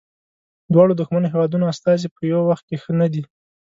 دواړو دښمنو هیوادونو استازي په یوه وخت کې ښه نه دي.